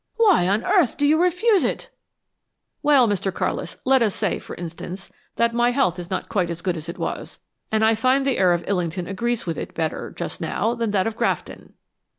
Why on earth do you refuse it?" "Well, Mr. Carlis, let us say, for instance, that my health is not quite as good as it was, and I find the air of Illington agrees with it better just now than that of Grafton."